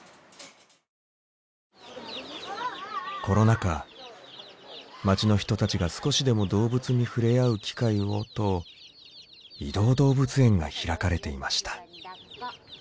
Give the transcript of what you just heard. コロナ禍街の人たちが少しでも動物に触れ合う機会をと移動動物園が開かれていました。